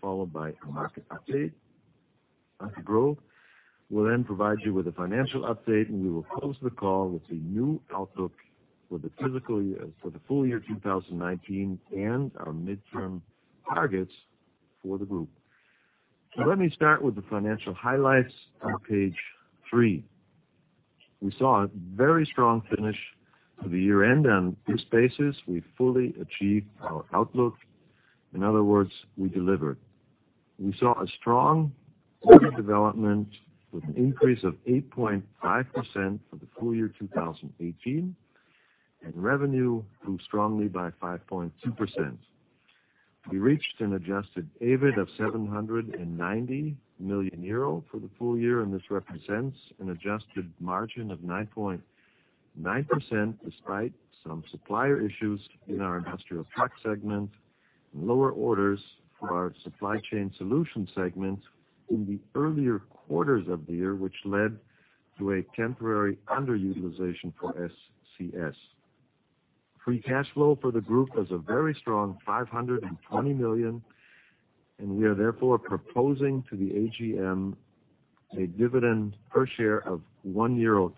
Followed by a market update. Anke Groth will then provide you with a financial update, and we will close the call with the new outlook for the full year 2019 and our midterm targets for the group. Let me start with the financial highlights on page 3. We saw a very strong finish to the year-end, and on this basis, we fully achieved our outlook. In other words, we delivered. We saw a strong development with an increase of 8.5% for the full year 2018, and revenue grew strongly by 5.2%. We reached an adjusted EBIT of 790 million euro for the full year, and this represents an adjusted margin of 9.9% despite some supplier issues in our industrial truck segment and lower orders for our supply chain solution segment in the earlier quarters of the year, which led to a temporary underutilization for SCS. Free cash flow for the group was a very strong 520 million, and we are therefore proposing to the AGM a dividend per share of 1.20 euro.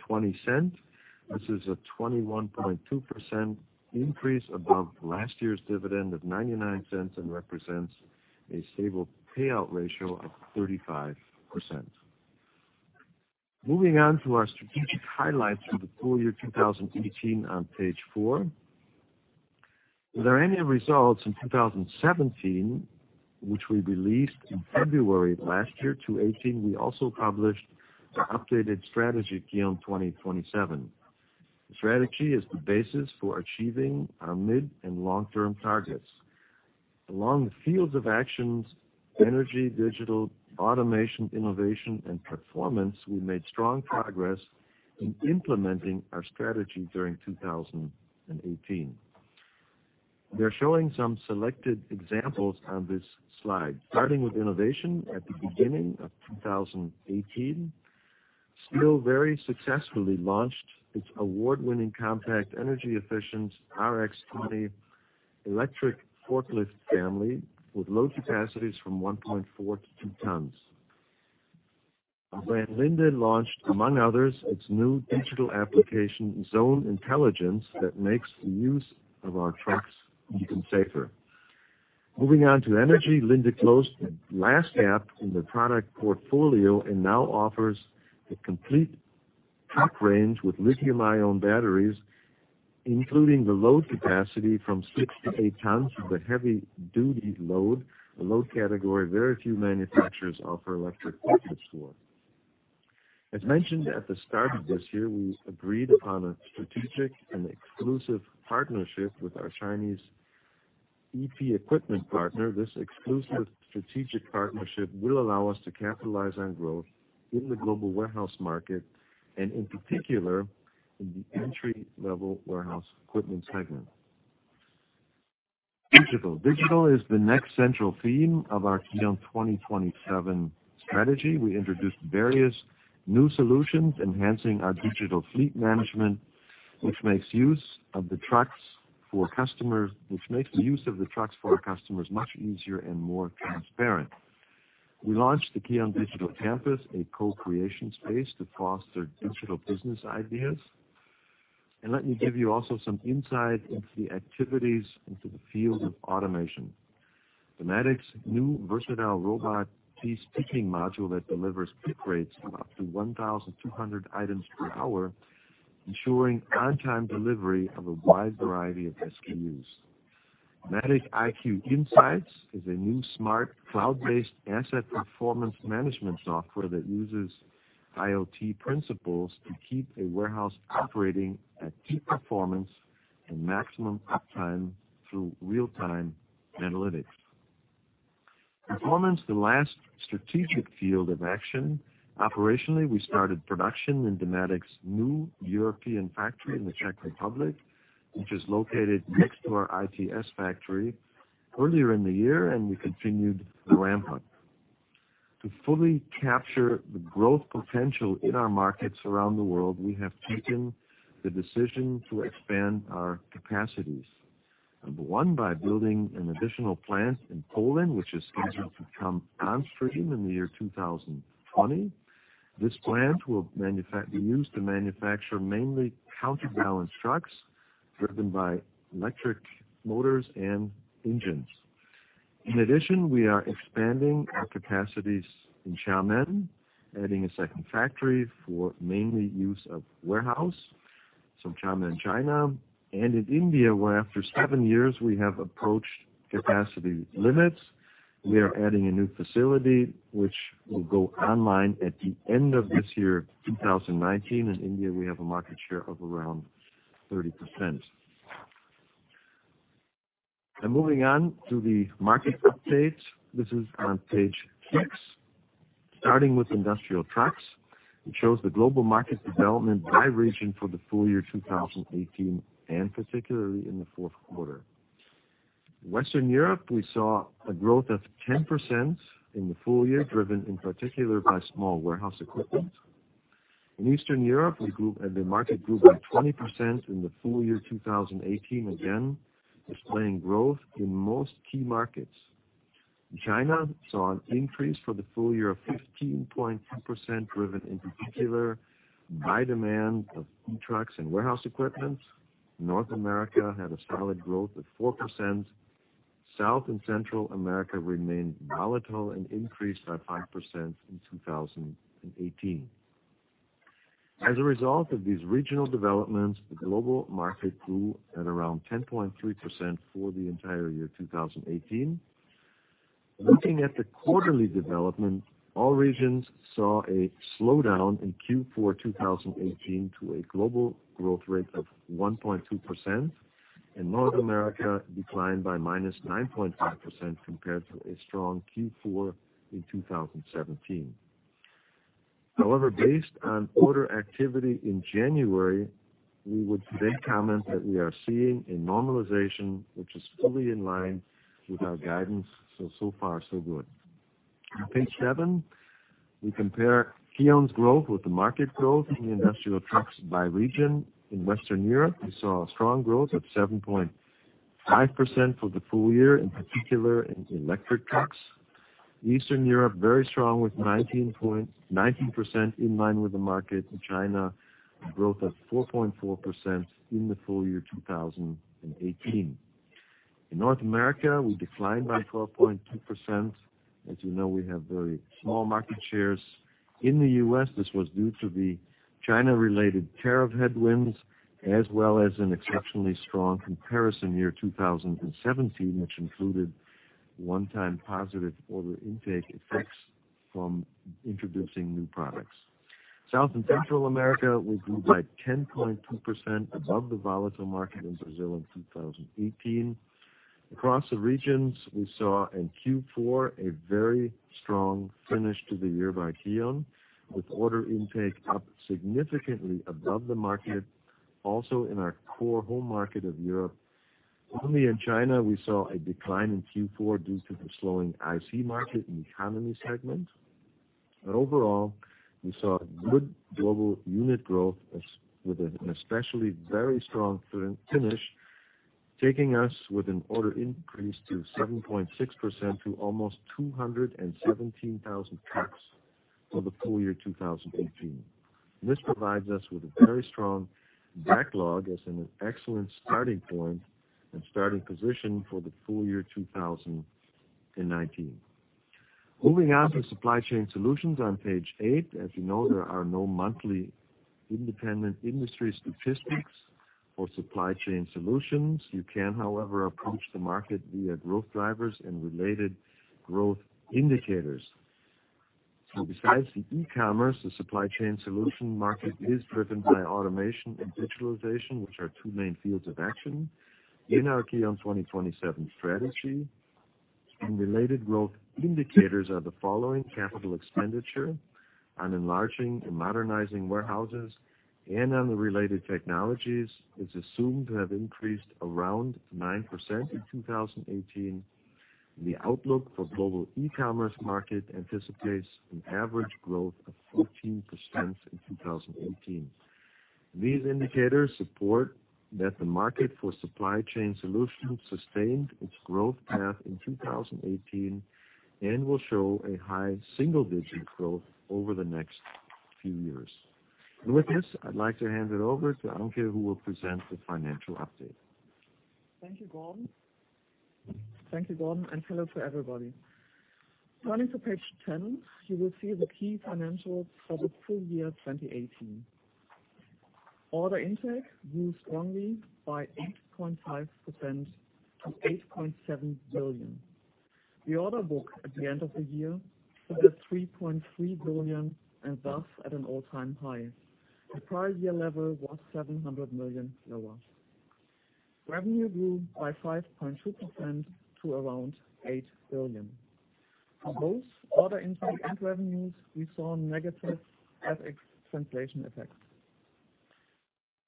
This is a 21.2% increase above last year's dividend of 0.99 and represents a stable payout ratio of 35%. Moving on to our strategic highlights for the full year 2018 on page 4. With our annual results in 2017, which we released in February last year, 2018, we also published an updated strategy for 2027. The strategy is the basis for achieving our mid and long-term targets. Along the fields of actions: energy, digital, automation, innovation, and performance, we made strong progress in implementing our strategy during 2018. They're showing some selected examples on this slide. Starting with innovation, at the beginning of 2018, STILL very successfully launched its award-winning compact energy-efficient RX20 electric forklift family with low capacities from 1.4 tons to 2 tons. Brand Linde launched, among others, its new digital application, Zone Intelligence, that makes the use of our trucks even safer. Moving on to energy, Linde closed the last gap in their product portfolio and now offers a complete truck range with lithium-ion batteries, including the load capacity from 6 tons to 8 tons of the heavy-duty load, a load category very few manufacturers offer electric forklifts for. As mentioned at the start of this year, we agreed upon a strategic and exclusive partnership with our Chinese EP Equipment partner. This exclusive strategic partnership will allow us to capitalize on growth in the global warehouse market and, in particular, in the entry-level warehouse equipment segment. Digital. Digital is the next central theme of our KION 2027 strategy. We introduced various new solutions enhancing our digital fleet management, which makes the use of the trucks for our customers much easier and more transparent. We launched the KION Digital Campus, a co-creation space to foster digital business ideas. Let me give you also some insight into the activities into the field of automation. Dematic's new versatile robot piece picking module delivers pick rates of up to 1,200 items per hour, ensuring on-time delivery of a wide variety of SKUs. Dematic IQ Insights is a new smart cloud-based asset performance management software that uses IoT principles to keep a warehouse operating at peak performance and maximum uptime through real-time analytics. Performance, the last strategic field of action. Operationally, we started production in Dematic's new European factory in the Czech Republic, which is located next to our ITS factory earlier in the year, and we continued ramp-up. To fully capture the growth potential in our markets around the world, we have taken the decision to expand our capacities. Number one, by building an additional plant in Poland, which is scheduled to come on stream in the year 2020. This plant will be used to manufacture mainly counterbalance trucks driven by electric motors and engines. In addition, we are expanding our capacities in Xiamen, adding a second factory for mainly use of warehouse, some Xiamen, China, and in India, where after seven years we have approached capacity limits, we are adding a new facility which will go online at the end of this year, 2019. In India, we have a market share of around 30%. Moving on to the market update, this is on page 6. Starting with industrial trucks, it shows the global market development by region for the full year 2018 and particularly in the fourth quarter. Western Europe, we saw a growth of 10% in the full year driven in particular by small warehouse equipment. In Eastern Europe, the market grew by 20% in the full year 2018, again displaying growth in most key markets. China saw an increase for the full year of 15.2% driven in particular by demand of e-trucks and warehouse equipment. North America had a solid growth of 4%. South and Central America remained volatile and increased by 5% in 2018. As a result of these regional developments, the global market grew at around 10.3% for the entire year 2018. Looking at the quarterly development, all regions saw a slowdown in Q4 2018 to a global growth rate of 1.2%, and North America declined by minus 9.5% compared to a strong Q4 in 2017. However, based on order activity in January, we would then comment that we are seeing a normalization which is fully in line with our guidance, so far, so good. On page 7, we compare KION's growth with the market growth in the industrial trucks by region. In Western Europe, we saw a strong growth of 7.5% for the full year, in particular in electric trucks. Eastern Europe, very strong with 19% in line with the market. In China, growth of 4.4% in the full year 2018. In North America, we declined by 12.2%. As you know, we have very small market shares. In the U.S., this was due to the China-related tariff headwinds as well as an exceptionally strong comparison year 2017, which included one-time positive order intake effects from introducing new products. South and Central America, we grew by 10.2% above the volatile market in Brazil in 2018. Across the regions, we saw in Q4 a very strong finish to the year by KION, with order intake up significantly above the market, also in our core home market of Europe. Only in China, we saw a decline in Q4 due to the slowing IC market in the economy segment. Overall, we saw good global unit growth with an especially very strong finish, taking us with an order increase to 7.6% to almost 217,000 trucks for the full year 2018. This provides us with a very strong backlog as an excellent starting point and starting position for the full year 2019. Moving on to supply chain solutions, on page 8, as you know, there are no monthly independent industry statistics for supply chain solutions. You can, however, approach the market via growth drivers and related growth indicators. Besides the e-commerce, the supply chain solution market is driven by automation and digitalization, which are two main fields of action. In our KION 2027 strategy, related growth indicators are the following: capital expenditure on enlarging and modernizing warehouses and on the related technologies is assumed to have increased around 9% in 2018. The outlook for global e-commerce market anticipates an average growth of 14% in 2018. These indicators support that the market for supply chain solutions sustained its growth path in 2018 and will show a high single-digit growth over the next few years. With this, I'd like to hand it over to Anke, who will present the financial update. Thank you, Gordon. Thank you, Gordon, and hello to everybody. Turning to page 10, you will see the key financials for the full year 2018. Order intake grew strongly by 8.5% to 8.7 billion. The order book at the end of the year stood at 3.3 billion and thus at an all-time high. The prior year level was 700 million lower. Revenue grew by 5.2% to around 8 billion. From both order intake and revenues, we saw negative FX translation effects.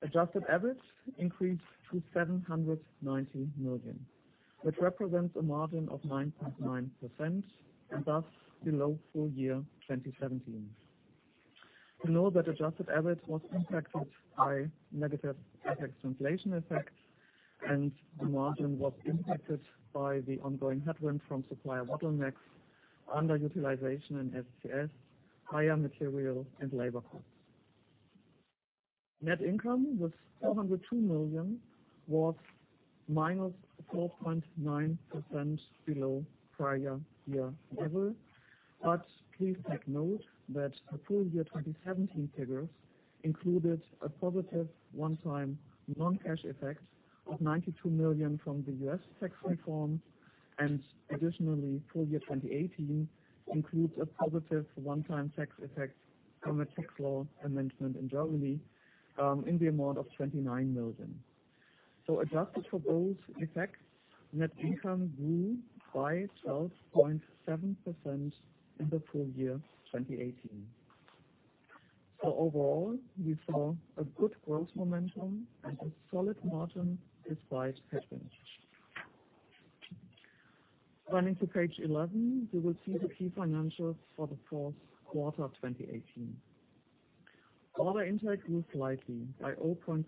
Adjusted EBIT increased to 790 million, which represents a margin of 9.9% and thus below full year 2017. We know that adjusted EBIT was impacted by negative FX translation effects, and the margin was impacted by the ongoing headwind from supplier bottlenecks, underutilization in SCS, higher material and labor costs. Net income was 402 million, was minus 4.9% below prior year level. Please take note that the full year 2017 figures included a positive one-time non-cash effect of 92 million from the U.S. tax reform, and additionally, full year 2018 includes a positive one-time tax effect from a tax law amendment in Germany in the amount of 29 million. Adjusted for both effects, net income grew by 12.7% in the full year 2018. Overall, we saw good growth momentum and a solid margin despite headwinds. Turning to page 11, you will see the key financials for the fourth quarter 2018. Order intake grew slightly by 0.3%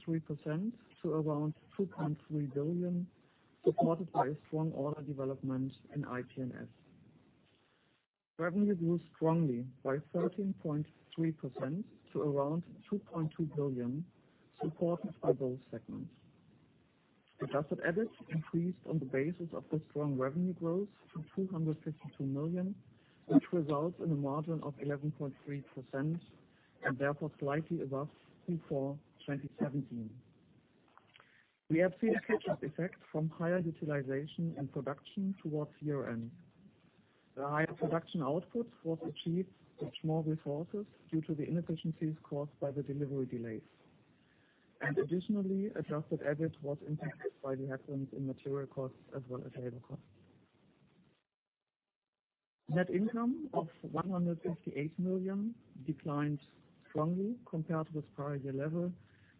to around 2.3 billion, supported by a strong order development in IT and S. Revenue grew strongly by 13.3% to around 2.2 billion, supported by both segments. Adjusted EBIT increased on the basis of the strong revenue growth to 252 million, which results in a margin of 11.3% and therefore slightly above Q4 2017. We have seen a catch-up effect from higher utilization and production towards year-end. The higher production output was achieved with small resources due to the inefficiencies caused by the delivery delays. Additionally, adjusted EBIT was impacted by the headwinds in material costs as well as labor costs. Net income of 158 million declined strongly compared with prior year level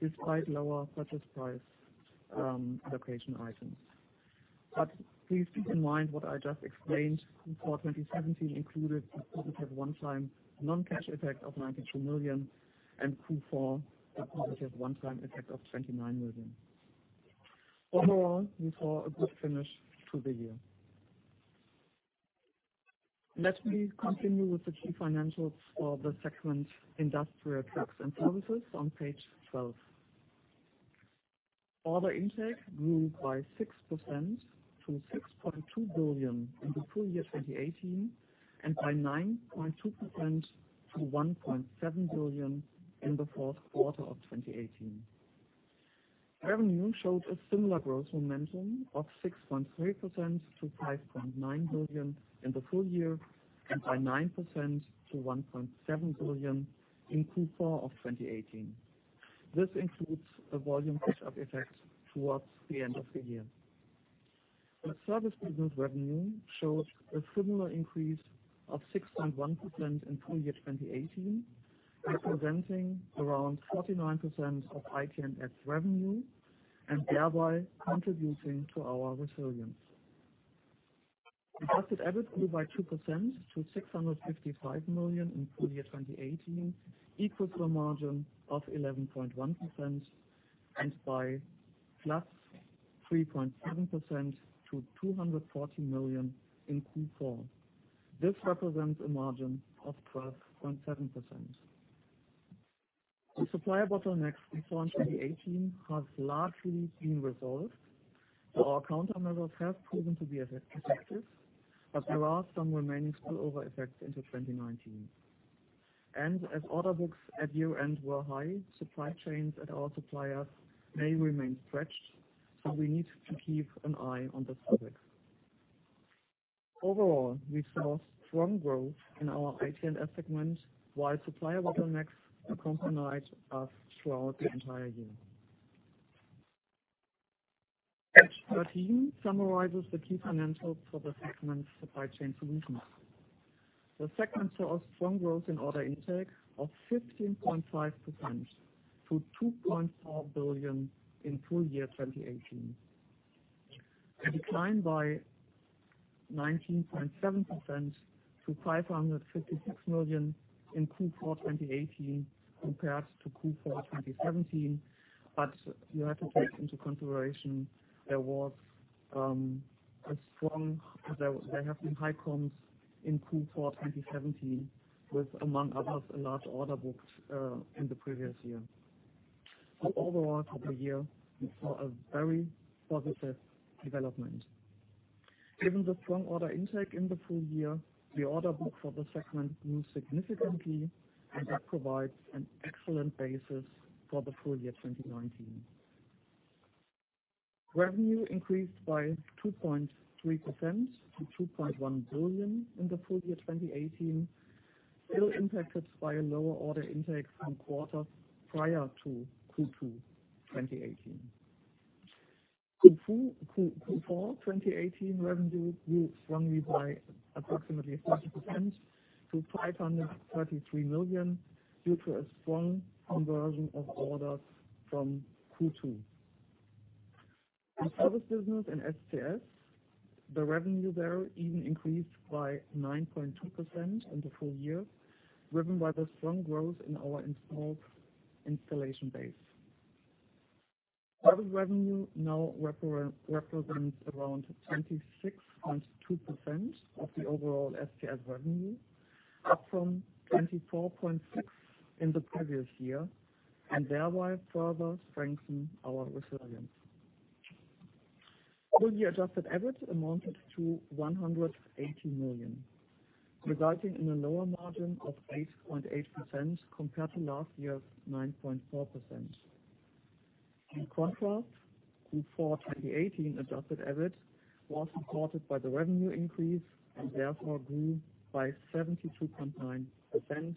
despite lower purchase price allocation items. Please keep in mind what I just explained. Q4 2017 included the positive one-time non-cash effect of 92 million and Q4 the positive one-time effect of 29 million. Overall, we saw a good finish to the year. Let me continue with the key financials for the segment Industrial Trucks and Services on page 12. Order intake grew by 6% to 6.2 billion in the full year 2018 and by 9.2% to 1.7 billion in the fourth quarter of 2018. Revenue showed a similar growth momentum of 6.3% to 5.9 billion in the full year and by 9% to 1.7 billion in Q4 of 2018. This includes a volume catch-up effect towards the end of the year. The service business revenue showed a similar increase of 6.1% in full year 2018, representing around 49% of ITS revenue and thereby contributing to our resilience. Adjusted EBIT grew by 2% to 655 million in full year 2018, equals the margin of 11.1% and by plus 3.7% to 240 million in Q4. This represents a margin of 12.7%. The supplier bottlenecks we saw in 2018 have largely been resolved. Our countermeasures have proven to be effective, but there are some remaining spillover effects into 2019. As order books at year-end were high, supply chains at our suppliers may remain stretched, so we need to keep an eye on this topic. Overall, we saw strong growth in our IT and S segment while supplier bottlenecks accompanied us throughout the entire year. Page 13 summarizes the key financials for the segment supply chain solutions. The segment saw strong growth in order intake of 15.5% to 2.4 billion in full year 2018. A decline by 19.7% to 556 million in Q4 2018 compared to Q4 2017, but you have to take into consideration there was a strong, there have been high comms in Q4 2017, with among others a large order booked in the previous year. Overall, for the year, we saw a very positive development. Given the strong order intake in the full year, the order book for the segment grew significantly, and that provides an excellent basis for the full year 2019. Revenue increased by 2.3% to 2.1 billion in the full year 2018, still impacted by a lower order intake from quarters prior to Q2 2018. Q4 2018 revenue grew strongly by approximately 40% to 533 million due to a strong conversion of orders from Q2. In service business and SCS, the revenue there even increased by 9.2% in the full year, driven by the strong growth in our installation base. Service revenue now represents around 26.2% of the overall SCS revenue, up from 24.6% in the previous year, and thereby further strengthen our resilience. Fully adjusted EBIT amounted to 180 million, resulting in a lower margin of 8.8% compared to last year's 9.4%. In contrast, Q4 2018 adjusted average was supported by the revenue increase and therefore grew by 72.9%,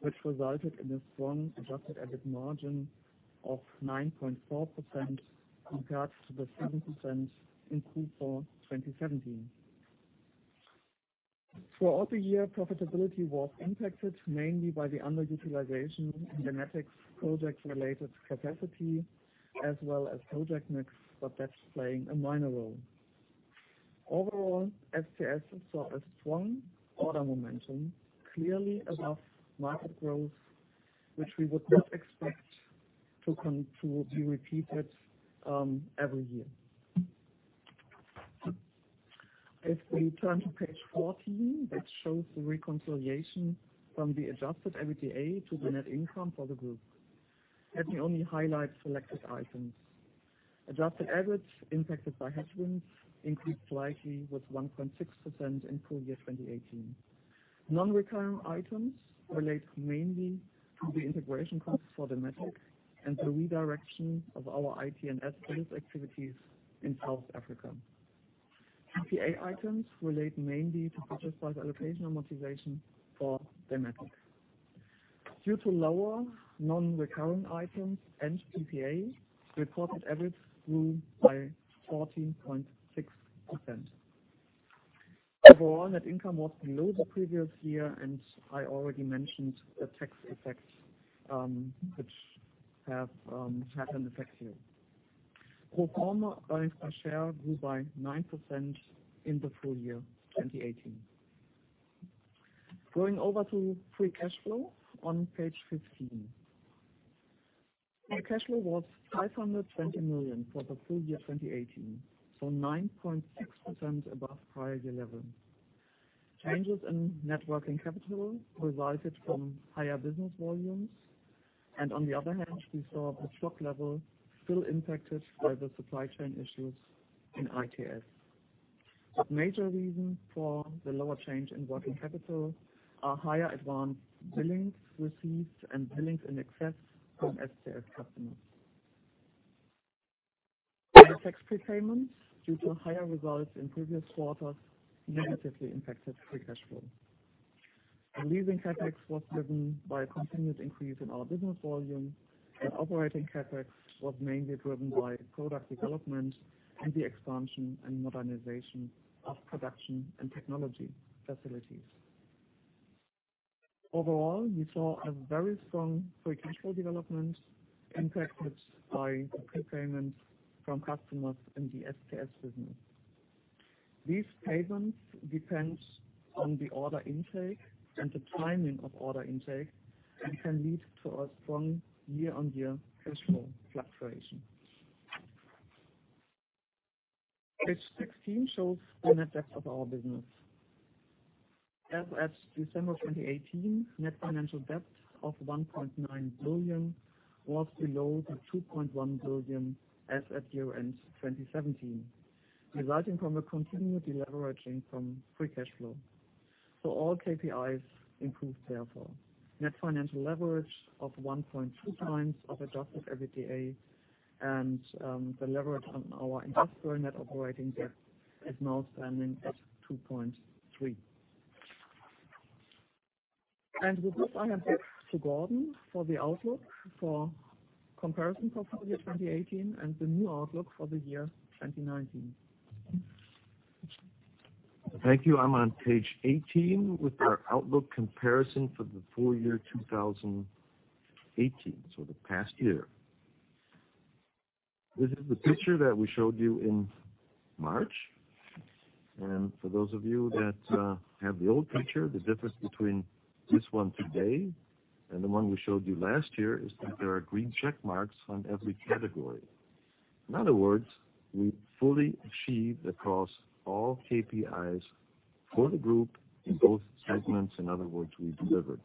which resulted in a strong adjusted average margin of 9.4% compared to the 7% in Q4 2017. Throughout the year, profitability was impacted mainly by the underutilization in the NATEX project-related capacity as well as project mix, but that's playing a minor role. Overall, SCS saw a strong order momentum, clearly above market growth, which we would not expect to be repeated every year. If we turn to page 14, this shows the reconciliation from the adjusted EBITDA to the net income for the group. Let me only highlight selected items. Adjusted average impacted by headwinds increased slightly with 1.6% in full year 2018. Non-recurring items relate mainly to the integration costs for the NATEX and the redirection of our IT and S service activities in South Africa. PPA items relate mainly to purchase price allocation and monetization for the NATEX. Due to lower non-recurring items and PPA, reported average grew by 14.6%. Overall, net income was below the previous year, and I already mentioned the tax effects, which have had an effect here. Proforma earnings per share grew by 9% in the full year 2018. Going over to free cash flow on page 15. Free cash flow was 520 million for the full year 2018, so 9.6% above prior year level. Changes in net working capital resulted from higher business volumes, and on the other hand, we saw the stock level still impacted by the supply chain issues in ITS. The major reason for the lower change in working capital are higher advance billings received and billings in excess from SCS customers. NATEX prepayments due to higher results in previous quarters negatively impacted free cash flow. Releasing CapEx was driven by a continued increase in our business volume, and operating CapEx was mainly driven by product development and the expansion and modernization of production and technology facilities. Overall, we saw a very strong free cash flow development impacted by the prepayments from customers in the SCS business. These payments depend on the order intake and the timing of order intake and can lead to a strong year-on-year cash flow fluctuation. Page 16 shows the net debt of our business. As at December 2018, net financial debt of 1.9 billion was below the 2.1 billion as at year-end 2017, resulting from a continued deleveraging from free cash flow. All KPIs improved therefore. Net financial leverage of 1.2x of adjusted EBITDA and the leverage on our industrial net operating debt is now standing at 2.3. With this, I hand back to Gordon for the outlook for comparison for full year 2018 and the new outlook for the year 2019. Thank you. I'm on page 18 with our outlook comparison for the full year 2018, so the past year. This is the picture that we showed you in March. For those of you that have the old picture, the difference between this one today and the one we showed you last year is that there are green check marks on every category. In other words, we fully achieved across all KPIs for the group in both segments. In other words, we delivered.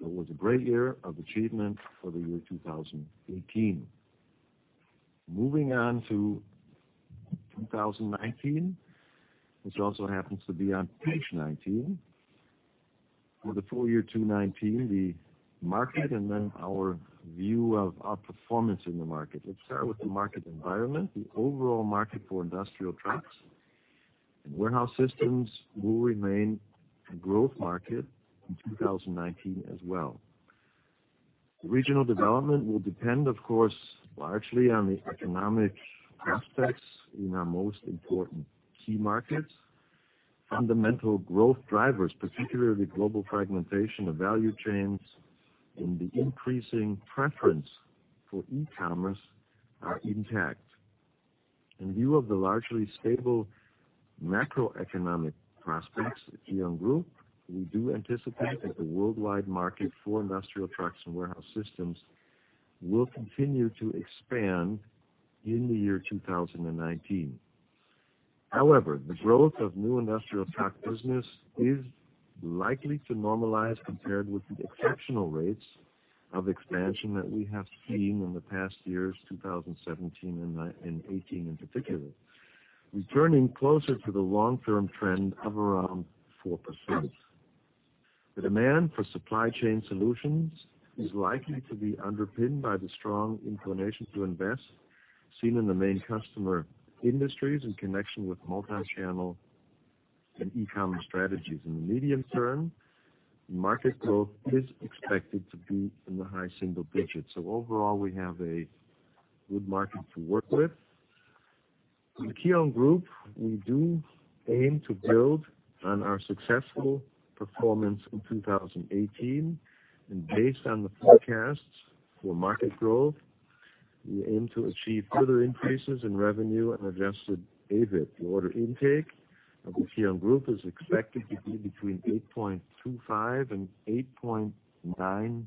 It was a great year of achievement for the year 2018. Moving on to 2019, which also happens to be on page 19. For the full year 2019, the market and then our view of our performance in the market. Let's start with the market environment. The overall market for industrial trucks and warehouse systems will remain a growth market in 2019 as well. Regional development will depend, of course, largely on the economic prospects in our most important key markets. Fundamental growth drivers, particularly global fragmentation of value chains and the increasing preference for e-commerce, are intact. In view of the largely stable macroeconomic prospects of KION Group, we do anticipate that the worldwide market for industrial trucks and warehouse systems will continue to expand in the year 2019. However, the growth of new industrial truck business is likely to normalize compared with the exceptional rates of expansion that we have seen in the past years, 2017 and 2018 in particular, returning closer to the long-term trend of around 4%. The demand for supply chain solutions is likely to be underpinned by the strong inclination to invest seen in the main customer industries in connection with multi-channel and e-commerce strategies. In the medium term, market growth is expected to be in the high single digits. Overall, we have a good market to work with. In KION Group, we do aim to build on our successful performance in 2018, and based on the forecasts for market growth, we aim to achieve further increases in revenue and adjusted EBIT. The order intake of the KION Group is expected to be between 8.25 billion and 8.9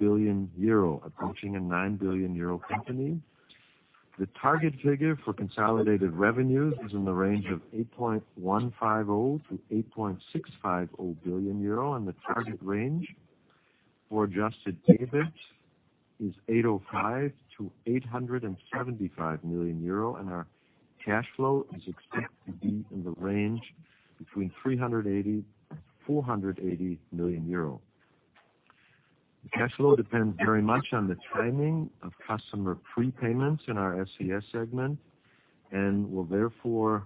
billion euro, approaching a 9 billion euro company. The target figure for consolidated revenues is in the range of 8.150 billion-8.650 billion euro, and the target range for adjusted EBIT is 805 million-875 million euro, and our cash flow is expected to be in the range between 380 million-480 million euro. The cash flow depends very much on the timing of customer prepayments in our SCS segment and will therefore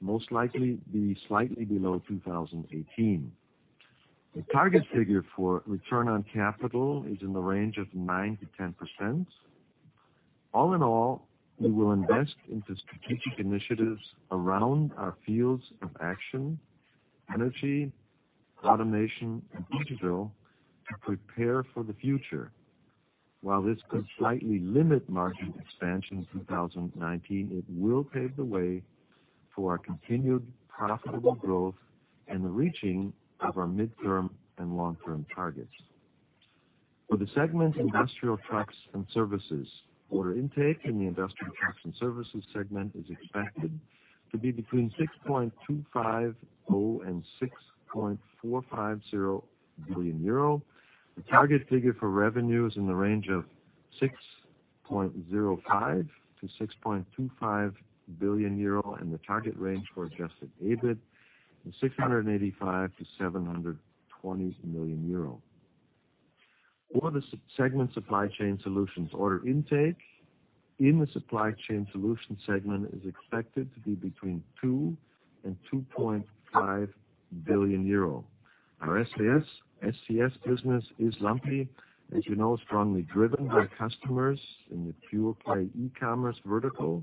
most likely be slightly below 2018. The target figure for return on capital is in the range of 9%-10%. All in all, we will invest into strategic initiatives around our fields of action, energy, automation, and digital to prepare for the future. While this could slightly limit margin expansion in 2019, it will pave the way for our continued profitable growth and the reaching of our midterm and long-term targets. For the segment industrial trucks and services, order intake in the industrial trucks and services segment is expected to be between 6.250 billion and 6.450 billion euro. The target figure for revenue is in the range of 6.05 billion-6.25 billion euro, and the target range for adjusted EBIT is 685 million-720 million euro. For the segment supply chain solutions, order intake in the supply chain solutions segment is expected to be between 2 billion and 2.5 billion euro. Our SCS business is, as you know, strongly driven by customers in the pure-play e-commerce vertical,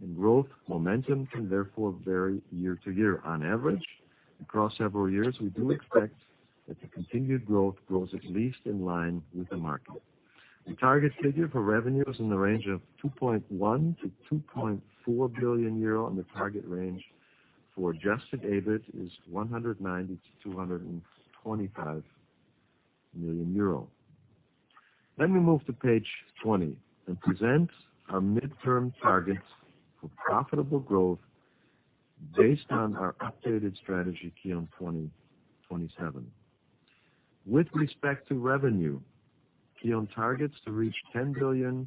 and growth momentum can therefore vary year to year. On average, across several years, we do expect that the continued growth grows at least in line with the market. The target figure for revenue is in the range of 2.1 billion-2.4 billion euro, and the target range for adjusted EBIT is 190 million-225 million euro. Let me move to page 20 and present our midterm targets for profitable growth based on our updated strategy KION 2027. With respect to revenue, KION targets to reach 10 billion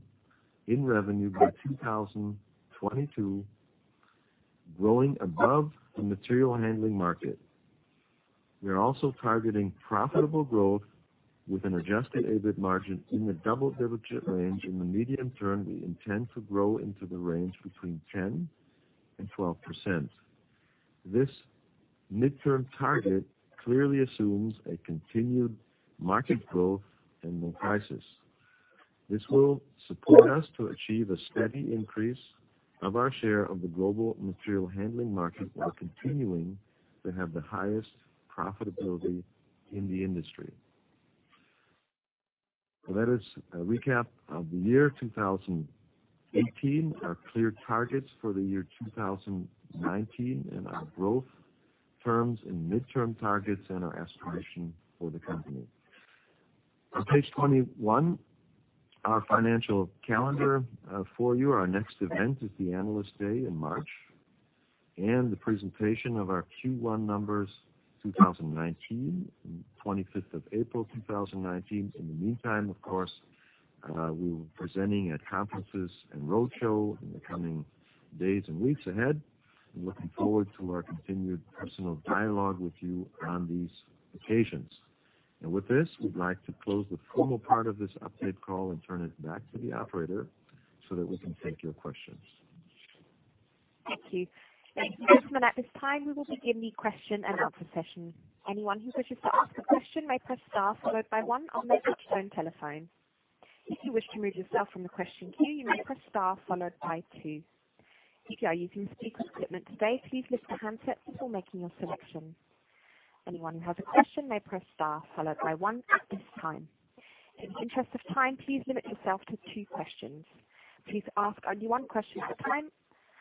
in revenue by 2022, growing above the material handling market. We are also targeting profitable growth with an adjusted EBIT margin in the double-digit range. In the medium term, we intend to grow into the range between 10% and 12%. This midterm target clearly assumes a continued market growth and no crisis. This will support us to achieve a steady increase of our share of the global material handling market and continuing to have the highest profitability in the industry. That is a recap of the year 2018, our clear targets for the year 2019, and our growth terms and midterm targets and our estimation for the company. On page 21, our financial calendar for you. Our next event is the Analyst Day in March and the presentation of our Q1 numbers 2019, 25th of April 2019. In the meantime, of course, we will be presenting at conferences and roadshow in the coming days and weeks ahead. We are looking forward to our continued personal dialogue with you on these occasions. With this, we would like to close the formal part of this update call and turn it back to the operator so that we can take your questions. Thank you. In the next minute at this time, we will begin the question and answer session. Anyone who wishes to ask a question may press star followed by one on their touch-tone telephone. If you wish to remove yourself from the question queue, you may press star followed by two. If you are using speaker equipment today, please lift your handset before making your selection. Anyone who has a question may press star followed by one at this time. In the interest of time, please limit yourself to two questions. Please ask only one question at a time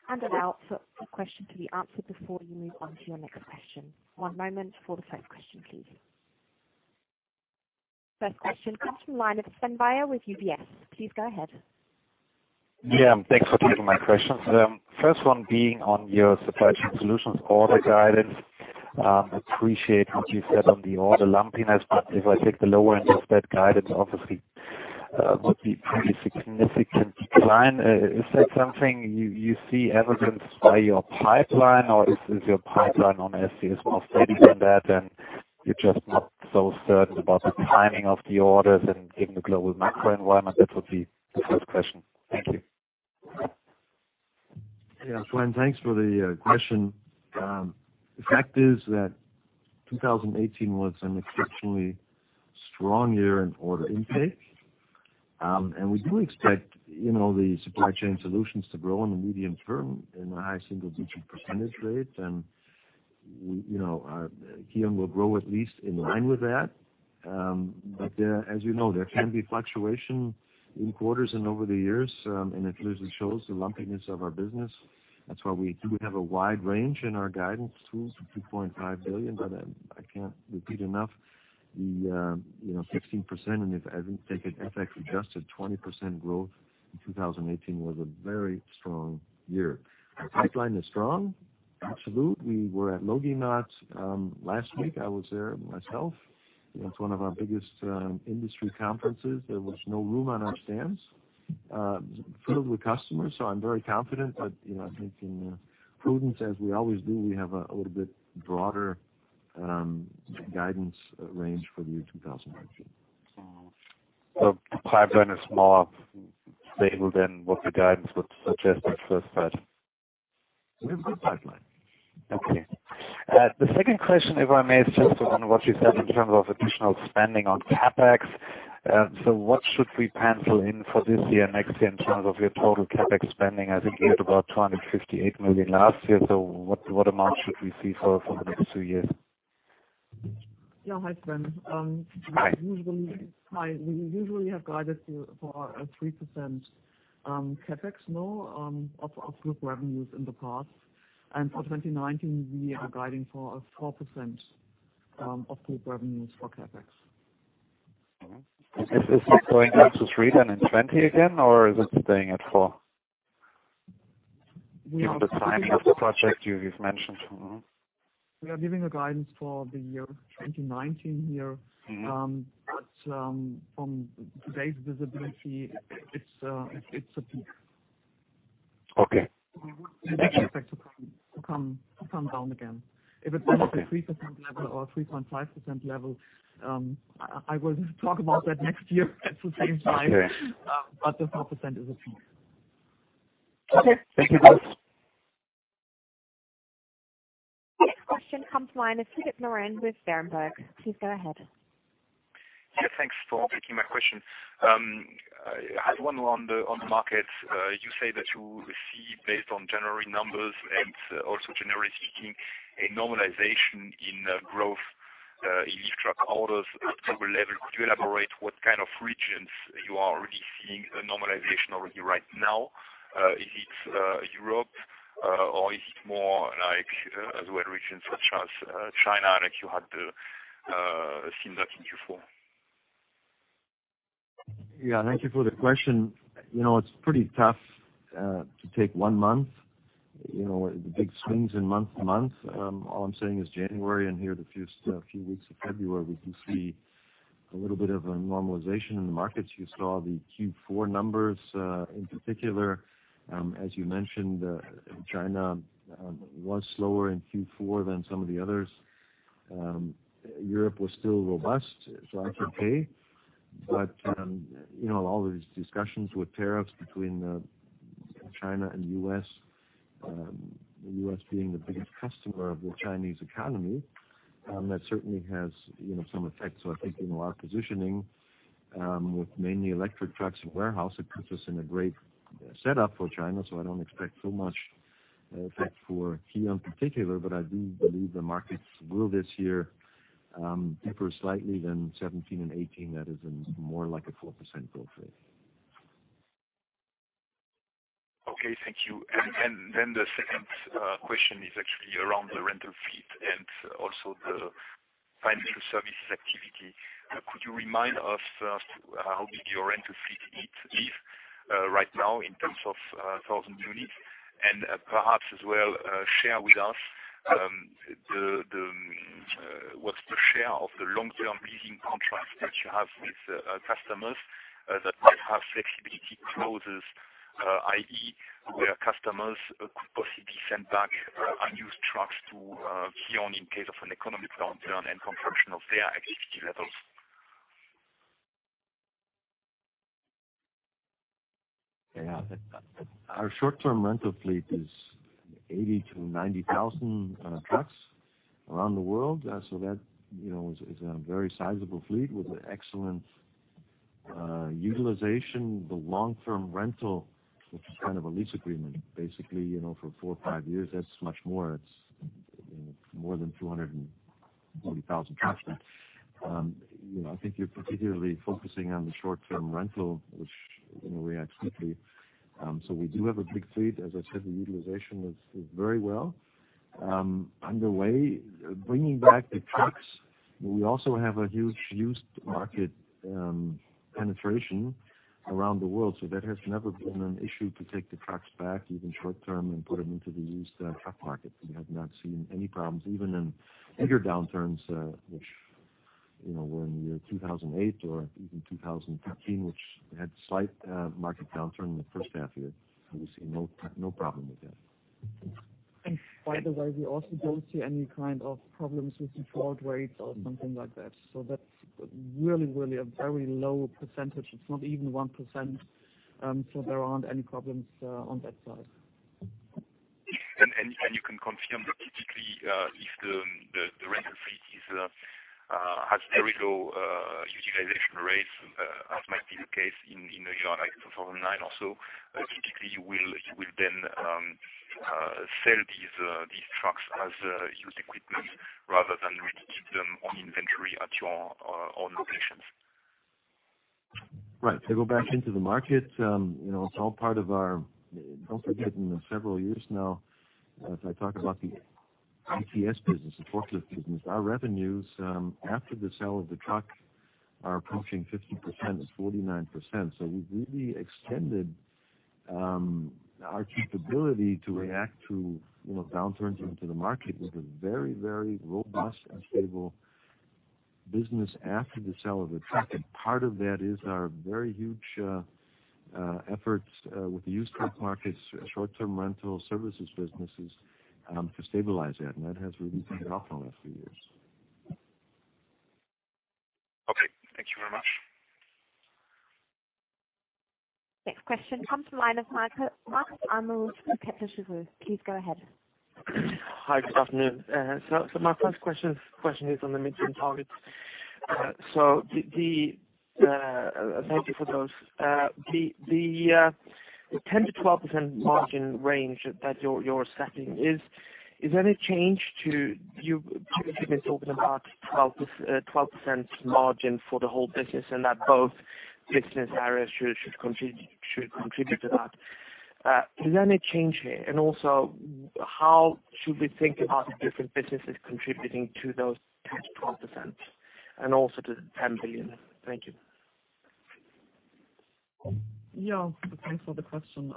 and allow for a question to be answered before you move on to your next question. One moment for the first question, please. First question comes from Sven Weier with UBS. Please go ahead. Yeah. Thanks for taking my questions. First one being on your supply chain solutions order guidance. Appreciate what you said on the order lumpiness, but if I take the lower end of that guidance, obviously, there would be a pretty significant decline. Is that something you see evidenced by your pipeline, or is your pipeline on SCS more steady than that, and you're just not so certain about the timing of the orders and given the global macro environment? That would be the first question. Thank you. Yeah. Sven, thanks for the question. The fact is that 2018 was an exceptionally strong year in order intake, and we do expect the supply chain solutions to grow in the medium term in a high single-digit percentage rate, and KION will grow at least in line with that. As you know, there can be fluctuation in quarters and over the years, and it clearly shows the lumpiness of our business. That's why we do have a wide range in our guidance too to €2.5 billion, but I can't repeat enough. The 16%, and if I take it FX adjusted, 20% growth in 2018 was a very strong year. Our pipeline is strong, absolute. We were at LogiMAT last week. I was there myself. It's one of our biggest industry conferences. There was no room on our stands filled with customers, so I'm very confident that I think in prudence, as we always do, we have a little bit broader guidance range for the year 2019. Pipeline is smaller, stable than what the guidance would suggest at first sight. We have a good pipeline. Okay. The second question, if I may, is just on what you said in terms of additional spending on CapEx. What should we pencil in for this year and next year in terms of your total CapEx spending? I think you had about 258 million last year. What amount should we see for the next two years? Yeah. Hi, Sven. We usually have guided for 3% CapEx of group revenues in the past. For 2019, we are guiding for 4% of group revenues for CapEx. Is this going up to 3% then in 2020 again, or is it staying at 4% given the timing of the project you have mentioned? We are giving a guidance for the year 2019 here, but from today's visibility, it is a peak. It is expected to come down again. If it is not at the 3% level or 3.5% level, I will talk about that next year at the same time, but the 4% is a peak. Thank you both. Next question comes from Philippe Lorrain with Berenberg. Please go ahead. Yeah. Thanks for taking my question. I have one on the market. You say that you see, based on January numbers and also generally speaking, a normalization in growth in lift truck orders at global level. Could you elaborate what kind of regions you are already seeing a normalization already right now? Is it Europe, or is it more like other regions such as China, like you had seen that in Q4? Yeah. Thank you for the question. It's pretty tough to take one month. The big swings in month to month. All I'm saying is January, and here the first few weeks of February, we do see a little bit of a normalization in the markets. You saw the Q4 numbers in particular. As you mentioned, China was slower in Q4 than some of the others. Europe was still robust, so I can pay. All of these discussions with tariffs between China and the U.S., the U.S. being the biggest customer of the Chinese economy, that certainly has some effect. I think our positioning with mainly electric trucks and warehouse, it puts us in a great setup for China, so I do not expect so much effect for KION in particular, but I do believe the markets will this year dipper slightly than 2017 and 2018. That is more like a 4% growth rate. Okay. Thank you. The second question is actually around the rental fleet and also the financial services activity. Could you remind us how big your rental fleet is right now in terms of thousand units? Perhaps as well, share with us what's the share of the long-term leasing contracts that you have with customers that have flexibility clauses, i.e., where customers could possibly send back unused trucks to KION in case of an economic downturn and contraction of their activity levels? Yeah. Our short-term rental fleet is 80,000-90,000 trucks around the world, so that is a very sizable fleet with excellent utilization. The long-term rental, which is kind of a lease agreement basically for four or five years, that's much more. It's more than 240,000 trucks. I think you're particularly focusing on the short-term rental, which reacts quickly. We do have a big fleet. As I said, the utilization is very well underway. Bringing back the trucks, we also have a huge used market penetration around the world, so that has never been an issue to take the trucks back, even short-term, and put them into the used truck market. We have not seen any problems, even in bigger downturns, which were in the year 2008 or even 2015, which had a slight market downturn in the first half year. We see no problem with that. By the way, we also do not see any kind of problems with the fraud rates or something like that. That is really, really a very low percentage. It is not even 1%, so there are not any problems on that side. You can confirm that typically, if the rental fleet has very low utilization rates, as might be the case in the year 2009 or so, typically you will then sell these trucks as used equipment rather than really keep them on inventory at your own locations. Right. They go back into the market. It is all part of our, do not forget in several years now, if I talk about the ETS business, the forklift business, our revenues after the sale of the truck are approaching 50% to 49%. We have really extended our capability to react to downturns into the market with a very, very robust and stable business after the sale of the truck. Part of that is our very huge efforts with the used truck markets, short-term rental services businesses to stabilize that, and that has really picked up in the last few years. Okay. Thank you very much. Next question comes from Markus Almerud on Kepler Cheuvreux. Please go ahead. Hi. Good afternoon. My first question is on the midterm targets. Thank you for those. The 10-12% margin range that you're setting, is there any change to you have been talking about 12% margin for the whole business and that both business areas should contribute to that? Is there any change here? Also, how should we think about different businesses contributing to those 10%-12% and also to the 10 billion? Thank you. Yeah. Thanks for the question.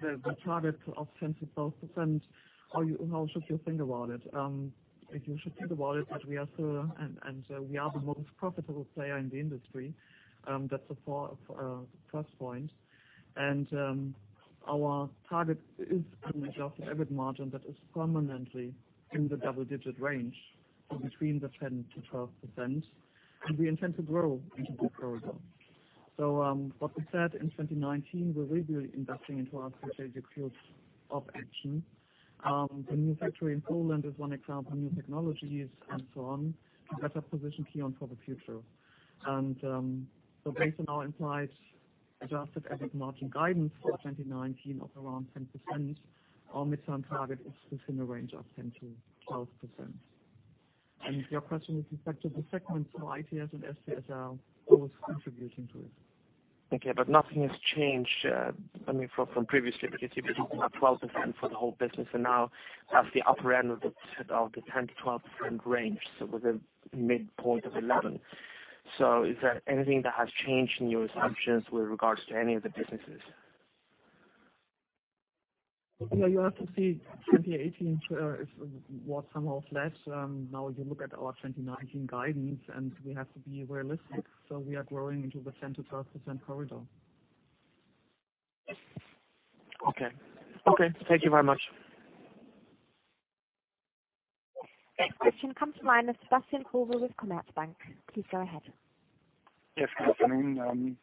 The target of 10%-12%, how should you think about it? You should think about it that we are the most profitable player in the industry. That's the first point. Our target is an adjusted EBIT margin that is permanently in the double-digit range between 10%-12%, and we intend to grow into that further. What we said in 2019, we're really investing into our strategic fields of action. The new factory in Poland is one example, new technologies, and so on, to better position KION for the future. Based on our implied adjusted EBIT margin guidance for 2019 of around 10%, our midterm target is within a range of 10%-12%. Your question is respect to the segments for ITS and SCS are always contributing to it. Okay. Nothing has changed, I mean, from previously because you've been talking about 12% for the whole business, and now that's the upper end of the 10%-12% range, so with a midpoint of 11. Is there anything that has changed in your assumptions with regards to any of the businesses? Yeah. You have to see 2018 is what somehow fledged. Now you look at our 2019 guidance, and we have to be realistic. We are growing into the 10%-12% corridor. Okay. Okay. Thank you very much. Next question comes from Sebastian Growe with Commerzbank. Please go ahead. Yes. Good afternoon.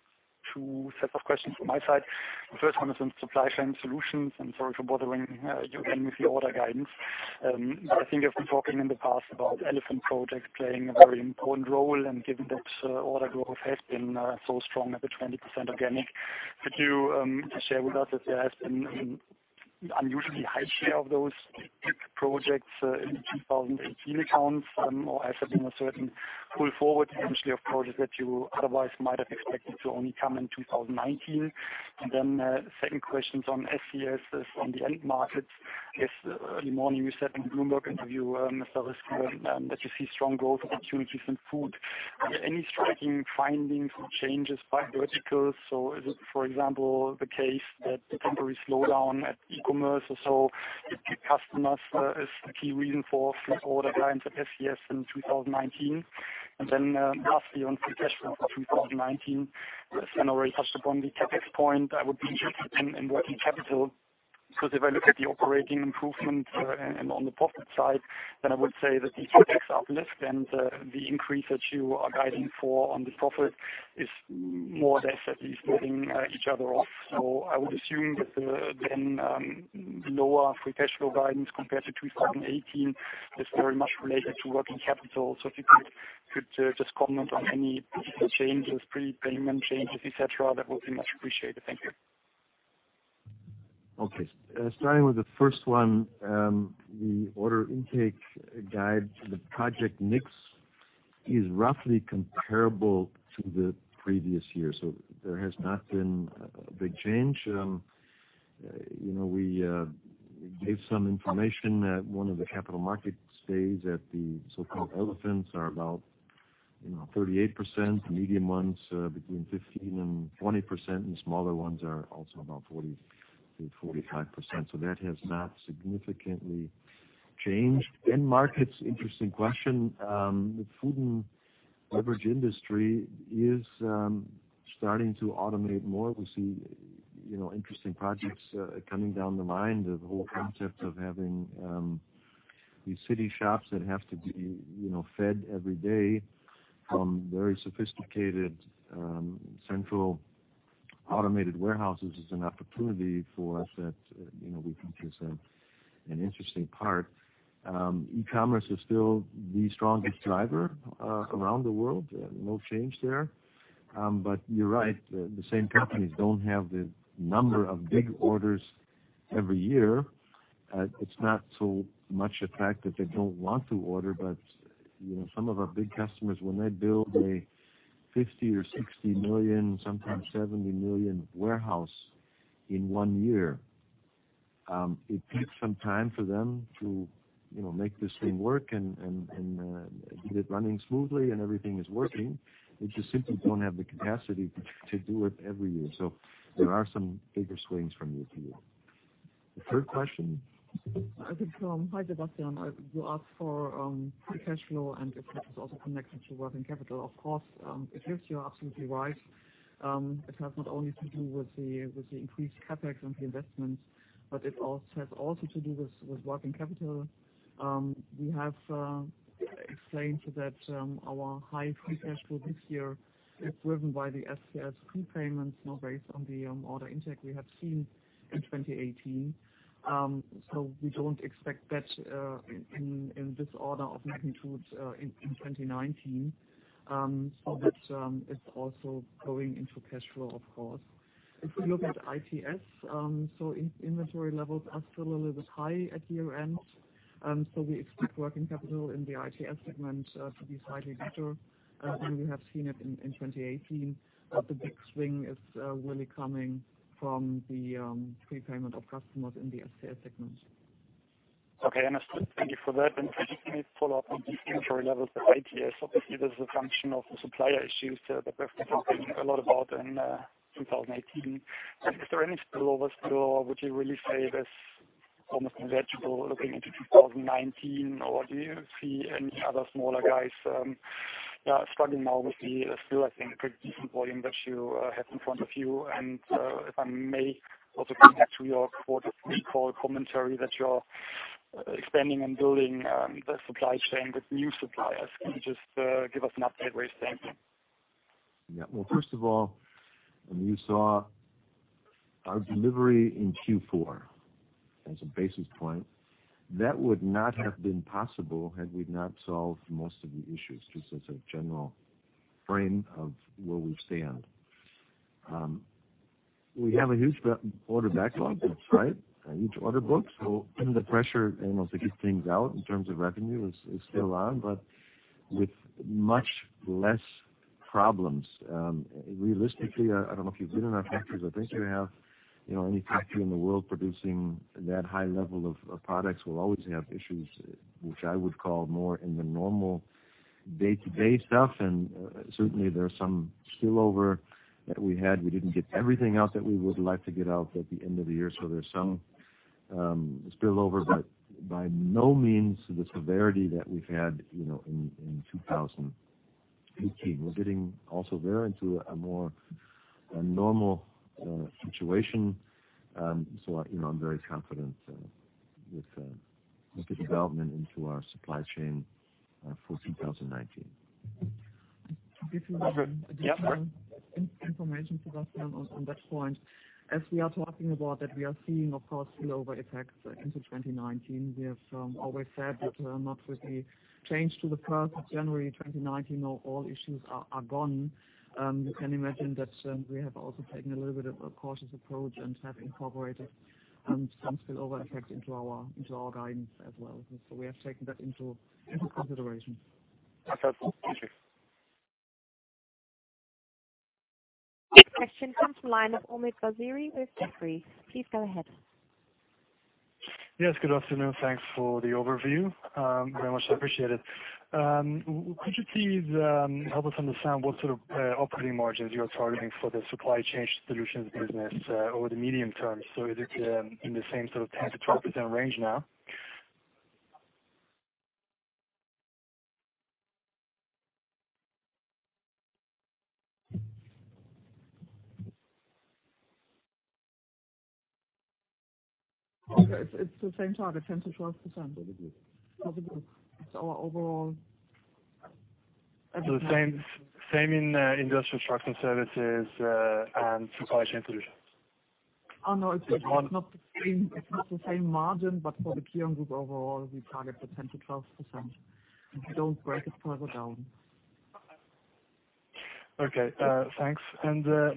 Two sets of questions from my side. The first one is on supply chain solutions, and sorry for bothering you again with the order guidance. I think you've been talking in the past about elephant projects playing a very important role, and given that order growth has been so strong at the 20% organic, could you share with us if there has been an unusually high share of those projects in 2018 accounts, or has there been a certain pull forward potentially of projects that you otherwise might have expected to only come in 2019? My second question is on SCS, on the end markets. Yesterday morning, you said in a Bloomberg interview, Mr. Hewlett, that you see strong growth in the Q1 recent food. Are there any striking findings or changes by verticals? Is it, for example, the case that the temporary slowdown at e-commerce or so with customers is the key reason for free order guidance at SCS in 2019? Lastly, on free cash flow for 2019, Sven already touched upon the CapEx point. I would be interested in working capital because if I look at the operating improvement and on the profit side, I would say that the CapEx uplift and the increase that you are guiding for on the profit is more or less at least moving each other off. I would assume that then lower free cash flow guidance compared to 2018 is very much related to working capital. If you could just comment on any changes, prepayment changes, etc., that would be much appreciated. Thank you. Okay. Starting with the first one, the order intake guide, the project mix is roughly comparable to the previous year. There has not been a big change. We gave some information at one of the capital markets days that the so-called elephants are about 38%, the medium ones between 15% and 20%, and the smaller ones are also about 40%-45%. That has not significantly changed. End markets, interesting question. The food and beverage industry is starting to automate more. We see interesting projects coming down the line, the whole concept of having these city shops that have to be fed every day from very sophisticated central automated warehouses is an opportunity for us that we think is an interesting part. E-commerce is still the strongest driver around the world, no change there. You're right, the same companies do not have the number of big orders every year. It's not so much the fact that they don't want to order, but some of our big customers, when they build a 50 million or 60 million, sometimes 70 million warehouse in one year, it takes some time for them to make this thing work and get it running smoothly and everything is working. They just simply don't have the capacity to do it every year. There are some bigger swings from year to year. The third question? Hi Sebastian, you asked for free cash flow and it's also connected to working capital. Of course, it gives you absolutely right. It has not only to do with the increased CapEx and the investments, but it has also to do with working capital. We have explained that our high free cash flow this year is driven by the SCS prepayments based on the order intake we have seen in 2018. We do not expect that in this order of magnitude in 2019. That is also going into cash flow, of course. If we look at ITS, inventory levels are still a little bit high at year-end. We expect working capital in the ITS segment to be slightly better than we have seen it in 2018, but the big swing is really coming from the prepayment of customers in the SCS segment. Okay. Understood. Thank you for that. Can you follow up on these inventory levels at ITS? Obviously, this is a function of the supplier issues that we have been complaining a lot about in 2018. Is there any spillover still, or would you really say this is almost negligible looking into 2019, or do you see any other smaller guys struggling now with the STILL, I think, pretty decent volume that you have in front of you? If I may also come back to your quarter three call commentary that you're expanding and building the supply chain with new suppliers, can you just give us an update where you're standing? Yeah. First of all, you saw our delivery in Q4 as a basis point. That would not have been possible had we not solved most of the issues, just as a general frame of where we stand. We have a huge order backlog, that's right, a huge order book. The pressure to get things out in terms of revenue is still on, but with much less problems. Realistically, I don't know if you've been in our factories. I think you have. Any factory in the world producing that high level of products will always have issues, which I would call more in the normal day-to-day stuff. Certainly, there's some spillover that we had. We didn't get everything out that we would like to get out at the end of the year, so there's some spillover, but by no means the severity that we've had in 2018. We're getting also there into a more normal situation. I am very confident with the development into our supply chain for 2019. If you have additional information, Sebastian, on that point, as we are talking about that we are seeing, of course, spillover effects into 2019. We have always said that not with the change to the 1st of January 2019, all issues are gone. You can imagine that we have also taken a little bit of a cautious approach and have incorporated some spillover effects into our guidance as well. We have taken that into consideration. Perfect. Thank you. Next question comes from Omid Vaziri with Jefferies. Please go ahead. Yes. Good afternoon. Thanks for the overview. Very much appreciated. Could you please help us understand what sort of operating margins you're targeting for the supply chain solutions business over the medium term? Is it in the same sort of 10%-12% range now? It's the same target, 10%-12%. It's our overall. The same in industrial trucks and services and supply chain solutions? Oh, no. It's not the same margin, but for the KION Group overall, we target the 10%-12%. We don't break it further down. Okay. Thanks.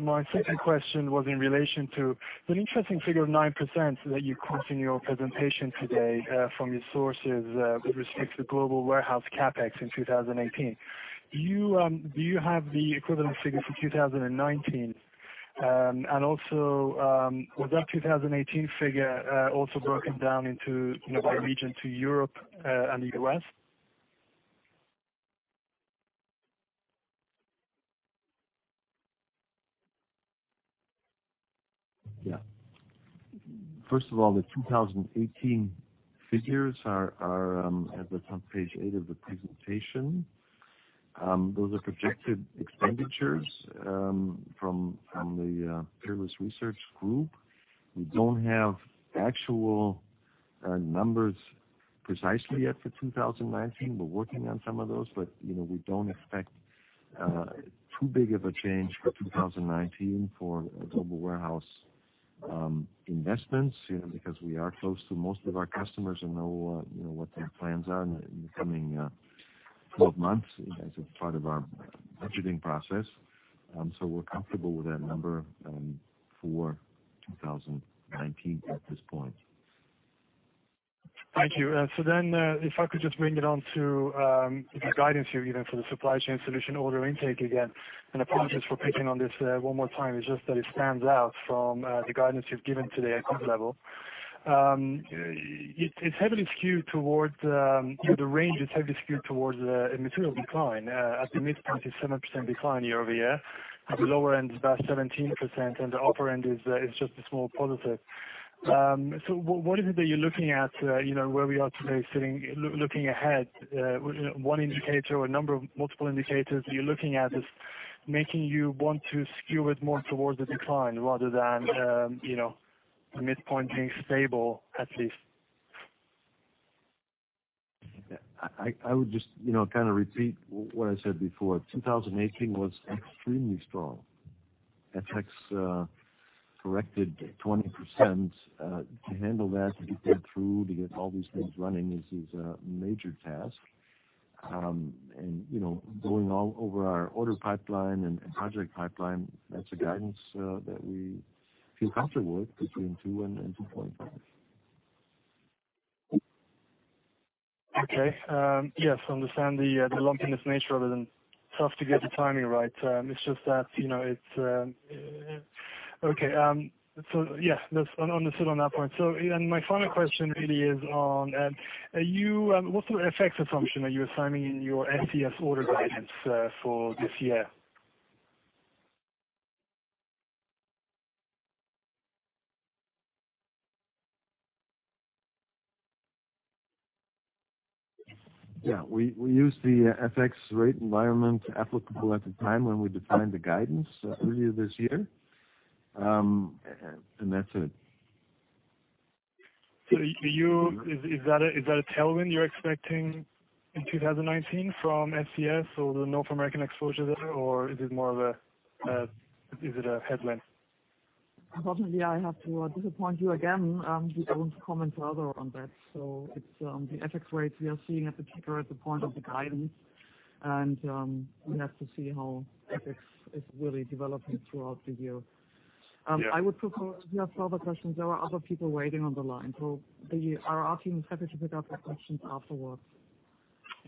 My second question was in relation to the interesting figure of 9% that you quoted in your presentation today from your sources with respect to the global warehouse CapEx in 2018. Do you have the equivalent figure for 2019? Also, was that 2018 figure also broken down by region to Europe and the U.S.? Yeah. First of all, the 2018 figures are at the front page 8 of the presentation. Those are projected expenditures from the Peerless Research Group. We do not have actual numbers precisely yet for 2019. We are working on some of those, but we do not expect too big of a change for 2019 for global warehouse investments because we are close to most of our customers and know what their plans are in the coming 12 months as a part of our budgeting process. We are comfortable with that number for 2019 at this point. Thank you. If I could just bring it on to the guidance here even for the supply chain solution order intake again. Apologies for picking on this one more time. It's just that it stands out from the guidance you've given today at this level. It's heavily skewed towards—the range is heavily skewed towards a material decline. At the midpoint, it's 7% decline year over year. At the lower end, it's about 17%, and the upper end is just a small positive. What is it that you're looking at where we are today looking ahead? One indicator or a number of multiple indicators that you're looking at is making you want to skew it more towards a decline rather than the midpoint being stable at least? I would just kind of repeat what I said before. 2018 was extremely strong. CapEx corrected 20%. To handle that, to get that through, to get all these things running is a major task. Going all over our order pipeline and project pipeline, that's a guidance that we feel comfortable with between 2 and 2.5. Okay. Yes. I understand the lumpiness nature of it and tough to get the timing right. It's just that it's okay. Yeah, understood on that point. My final question really is on what sort of FX assumption are you assigning in your SCS order guidance for this year? Yeah. We used the FX rate environment applicable at the time when we defined the guidance earlier this year, and that's it. Is that a tailwind you're expecting in 2019 from SCS or the North American exposure there, or is it more of a is it a headwind? Unfortunately, I have to disappoint you again. We do not comment further on that. It is the FX rates we are seeing at the ticker at the point of the guidance, and we have to see how FX is really developing throughout the year. I would prefer if you have further questions. There are other people waiting on the line. Our team is happy to pick up your questions afterwards.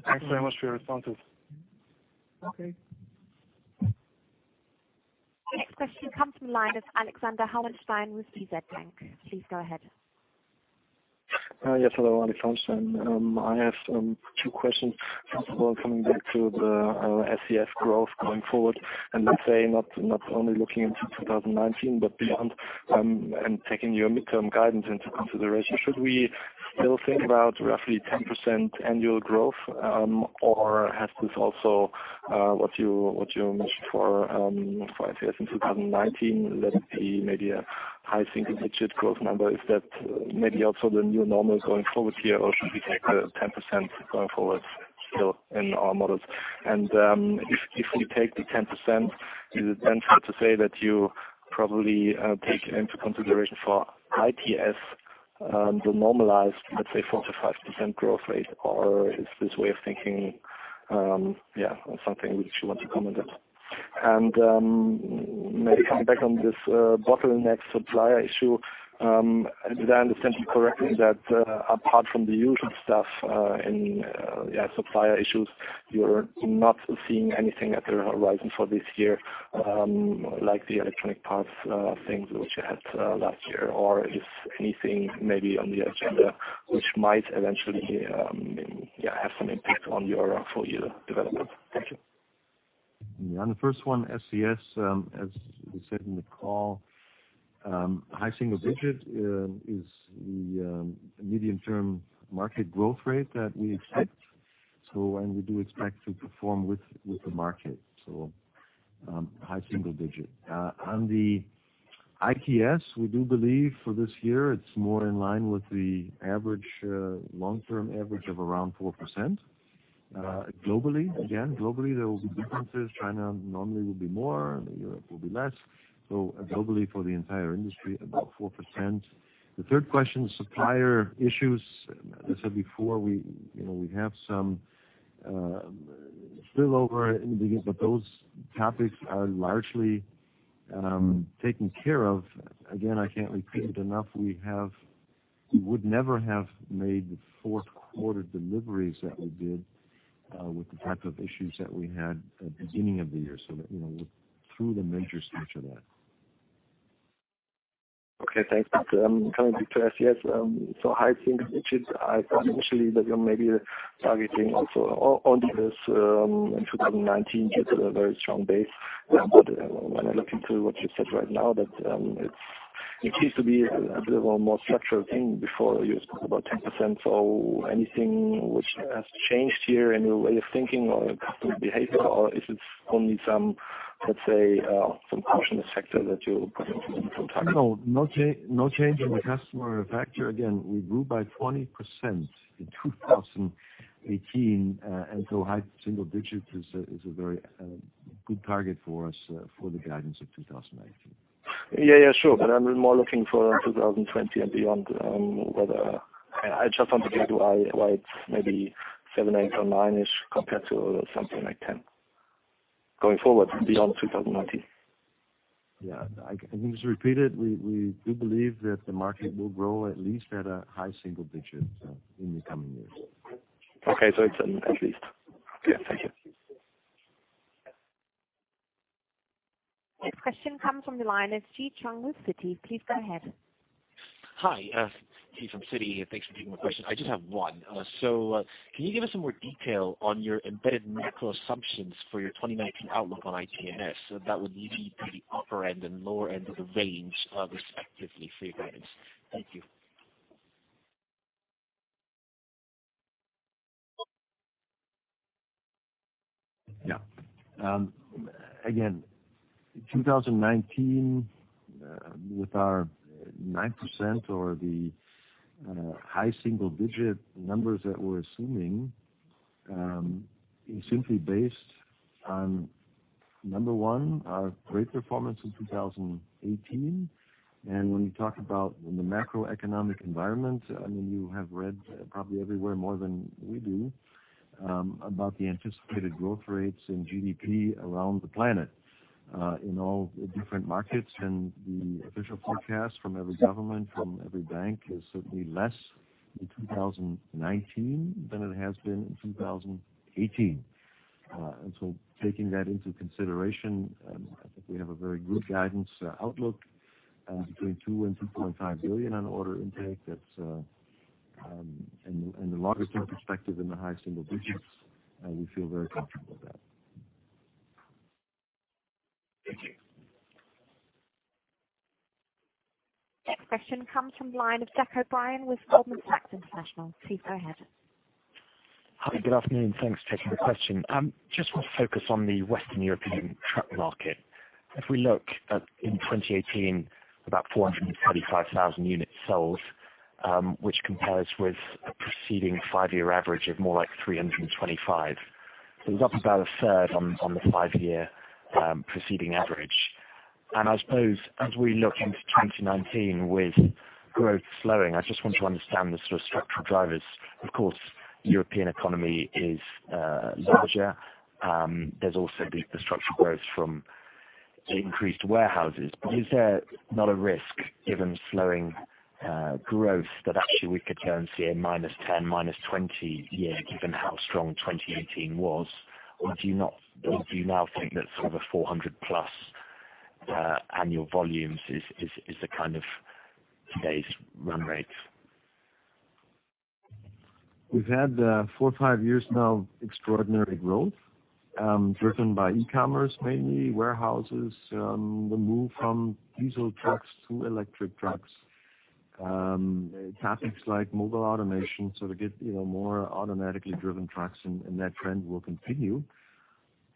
Thanks very much for your responses. Okay. Next question comes from Alexander Hauenstein with DZ Bank. Please go ahead. Yes. Hello, Alexander Hauenstein. I have two questions. First of all, coming back to the SCS growth going forward, and let us say not only looking into 2019 but beyond and taking your midterm guidance into consideration, should we still think about roughly 10% annual growth, or has this also what you mentioned for SCS in 2019, let it be maybe a high single-digit growth number? Is that maybe also the new normal going forward here, or should we take the 10% going forward still in our models? If we take the 10%, is it then fair to say that you probably take into consideration for ITS the normalized, let's say, 4-5% growth rate, or is this way of thinking, yeah, something which you want to comment on? Maybe coming back on this bottleneck supplier issue, did I understand you correctly that apart from the usual stuff in supplier issues, you're not seeing anything at the horizon for this year like the electronic parts things which you had last year? Is anything maybe on the agenda which might eventually have some impact on your full year development? Thank you. Yeah. On the first one, SCS, as we said in the call, high single-digit is the medium-term market growth rate that we expect, and we do expect to perform with the market. High single-digit. On the ITS, we do believe for this year it's more in line with the long-term average of around 4%. Globally, again, globally, there will be differences. China normally will be more. Europe will be less. Globally, for the entire industry, about 4%. The third question, supplier issues, as I said before, we have some spillover in the beginning, but those topics are largely taken care of. I can't repeat it enough. We would never have made the fourth-quarter deliveries that we did with the type of issues that we had at the beginning of the year. We're through the major stretch of that. Okay. Thanks. Coming back to SCS, so high single-digit, I thought initially that you're maybe targeting also only this in 2019 due to the very strong base. When I look into what you said right now, it seems to be a bit of a more structural thing before you spoke about 10%. Anything which has changed here in your way of thinking or customer behavior, or is it only some, let's say, some cautious factor that you're putting into some target? No. No change in the customer factor. Again, we grew by 20% in 2018, and so high single-digit is a very good target for us for the guidance of 2019. Yeah. Yeah. Sure. I'm more looking for 2020 and beyond whether I just want to be able to. Why it's maybe 7, 8, or 9-ish compared to something like 10 going forward beyond 2019. Yeah. I can just repeat it. We do believe that the market will grow at least at a high single-digit in the coming years. Okay. It is an at least. Okay. Thank you. Next question comes fromJi Cheong with Citi. Please go ahead. Hi. Ji from Citi here. Thanks for taking my question. I just have one. Can you give us some more detail on your embedded macro assumptions for your 2019 outlook on ITS that would lead you to the upper end and lower end of the range respectively for your guidance? Thank you. Yeah. Again, 2019 with our 9% or the high single-digit numbers that we are assuming is simply based on, number one, our great performance in 2018. When you talk about the macroeconomic environment, I mean, you have read probably everywhere more than we do about the anticipated growth rates in GDP around the planet in all different markets. The official forecast from every government, from every bank is certainly less in 2019 than it has been in 2018. Taking that into consideration, I think we have a very good guidance outlook between 2 billion and 2.5 billion on order intake. The longer-term perspective in the high single-digits, we feel very comfortable with that. Thank you. Next question comes from Jack O'Brien with Goldman Sachs International. Please go ahead. Hi. Good afternoon. Thanks for taking the question. Just want to focus on the Western European truck market. If we look in 2018, about 435,000 units sold, which compares with a preceding five-year average of more like 325,000. We're up about a third on the five-year preceding average. I suppose as we look into 2019 with growth slowing, I just want to understand the sort of structural drivers. Of course, the European economy is larger. There's also the structural growth from increased warehouses. Is there not a risk given slowing growth that actually we could then see a minus 10, minus 20 year given how strong 2018 was? Do you now think that sort of a 400-plus annual volumes is the kind of today's run rate? We've had four, five years now of extraordinary growth driven by e-commerce mainly, warehouses, the move from diesel trucks to electric trucks, topics like mobile automation. To get more automatically driven trucks, and that trend will continue.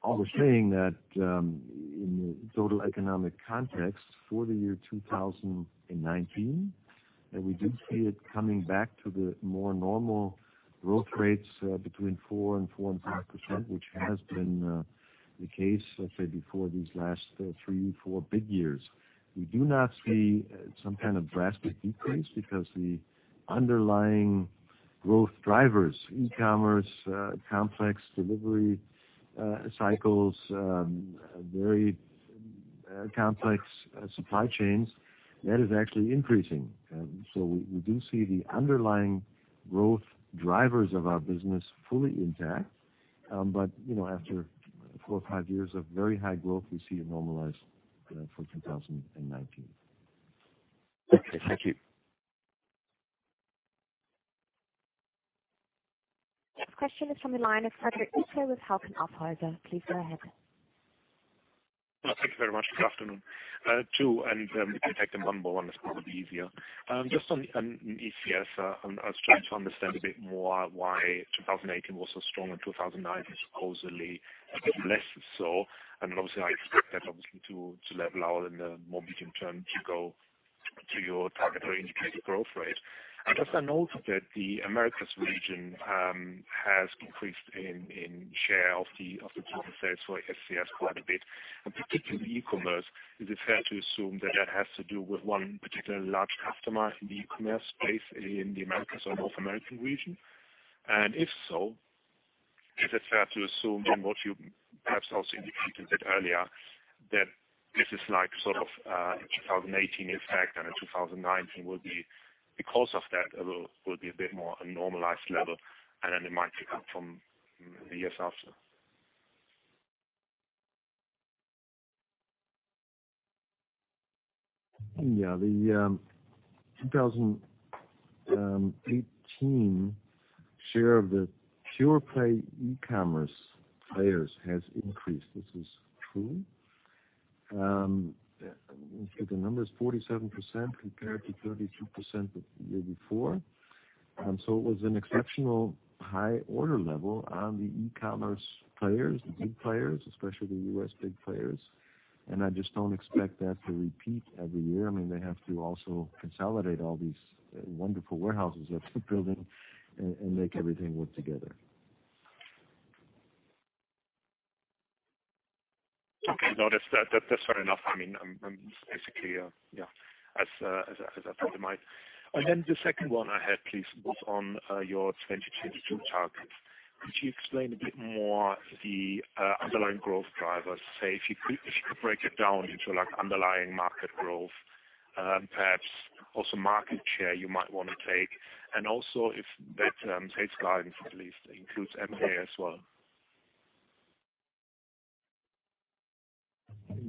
All the saying that in the total economic context for the year 2019, we do see it coming back to the more normal growth rates between 4% and 4.5%, which has been the case, let's say, before these last three, four big years. We do not see some kind of drastic decrease because the underlying growth drivers, e-commerce, complex delivery cycles, very complex supply chains, that is actually increasing. We do see the underlying growth drivers of our business fully intact. After four or five years of very high growth, we see it normalize for 2019. Okay. Thank you. Next question is from Frederik Bitter with Hauck & Aufhäuser. Please go ahead. Thank you very much. Good afternoon. Two. If you take them one by one, it's probably easier. Just on ECS, I was trying to understand a bit more why 2018 was so strong and 2019 supposedly a bit less so. I expect that obviously to level out in the more medium term to go to your target or indicated growth rate. I just know that the Americas region has increased in share of the total sales for SCS quite a bit. Particularly e-commerce, is it fair to assume that that has to do with one particular large customer in the e-commerce space in the Americas or North American region? If so, is it fair to assume then what you perhaps also indicated a bit earlier that this is like sort of 2018 effect and in 2019 will be because of that will be a bit more a normalized level, and then it might pick up from the years after? Yeah. The 2018 share of the pure-play e-commerce players has increased. This is true. The number is 47% compared to 32% the year before. It was an exceptional high order level on the e-commerce players, the big players, especially the US big players. I just don't expect that to repeat every year. I mean, they have to also consolidate all these wonderful warehouses that they're building and make everything work together. Okay. Noticed that. That's fair enough. I mean, I'm basically, yeah, as I put it in my and then the second one I had, please, was on your 2022 targets. Could you explain a bit more the underlying growth drivers? Say if you could break it down into underlying market growth, perhaps also market share you might want to take, and also if that sales guidance at least includes M&A as well.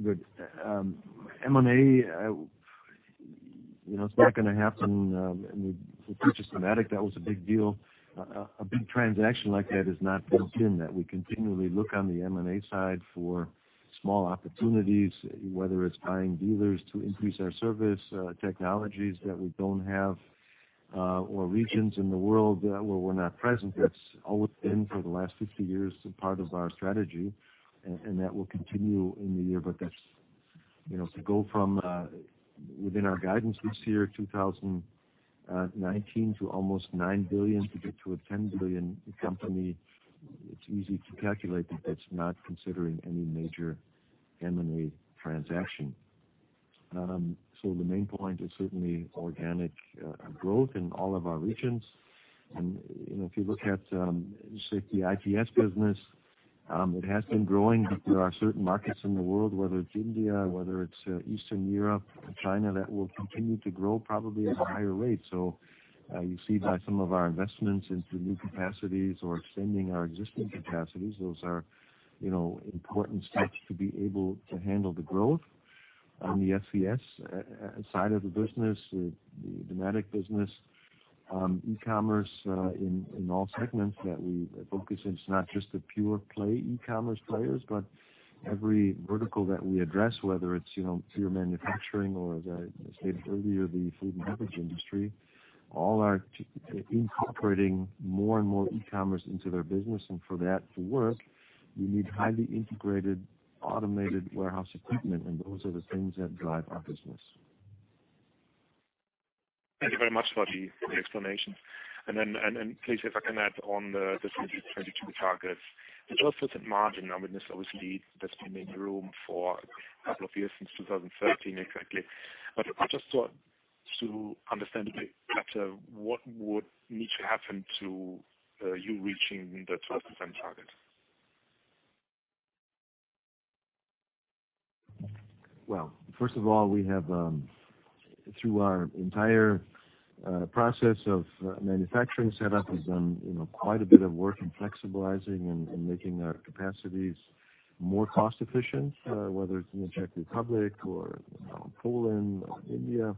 Good. M&A, it's not going to happen for futures thematic. That was a big deal. A big transaction like that is not built in. We continually look on the M&A side for small opportunities, whether it's buying dealers to increase our service technologies that we don't have or regions in the world where we're not present. That's always been for the last 50 years part of our strategy, and that will continue in the year. To go from within our guidance this year, 2019, to almost 9 billion to get to a 10 billion company, it's easy to calculate that that's not considering any major M&A transaction. The main point is certainly organic growth in all of our regions. If you look at, say, the ITS business, it has been growing because there are certain markets in the world, whether it's India, whether it's Eastern Europe, China, that will continue to grow probably at a higher rate. You see by some of our investments into new capacities or extending our existing capacities, those are important steps to be able to handle the growth. On the SCS side of the business, the Dematic business, e-commerce in all segments that we focus in, it's not just the pure-play e-commerce players, but every vertical that we address, whether it's pure manufacturing or, as I stated earlier, the food and beverage industry, all are incorporating more and more e-commerce into their business. For that to work, you need highly integrated automated warehouse equipment, and those are the things that drive our business. Thank you very much for the explanations. Please, if I can add on the 2022 targets, the 12% margin I witnessed obviously does make room for a couple of years since 2013 exactly. I just thought to understand a bit better what would need to happen to you reaching the 12% target. First of all, we have, through our entire process of manufacturing setup, we've done quite a bit of work in flexibilizing and making our capacities more cost-efficient, whether it's in the Czech Republic or Poland or India.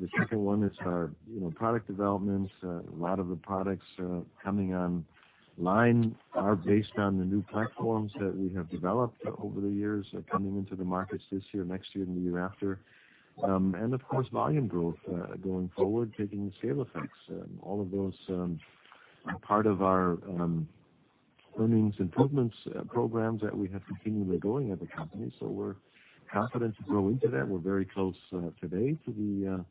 The second one is our product development. A lot of the products coming online are based on the new platforms that we have developed over the years coming into the markets this year, next year, and the year after. Of course, volume growth going forward, taking the scale effects. All of those are part of our earnings improvements programs that we have continually going at the company. We are confident to grow into that. We are very close today to the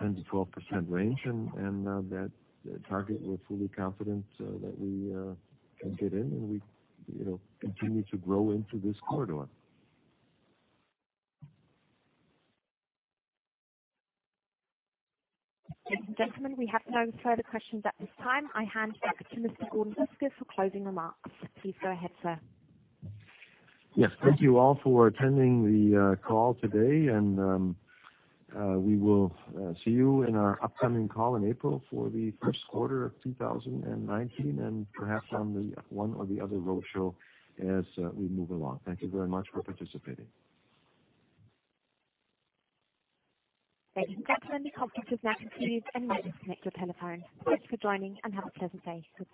10-12% range, and that target, we are fully confident that we can get in and we continue to grow into this corridor. Mr. Gentleman, we have no further questions at this time. I hand back to Mr. Gordon Riske for closing remarks. Please go ahead, sir. Yes. Thank you all for attending the call today, and we will see you in our upcoming call in April for the first quarter of 2019 and perhaps on the one or the other roadshow as we move along. Thank you very much for participating. Thank you, gentlemen. The conference is now concluded, and you may disconnect your telephone. Thank you for joining, and have a pleasant day with us.